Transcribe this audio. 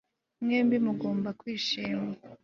Mwembi mugomba kwishima